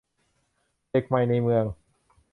เด็กใหม่ในเมือง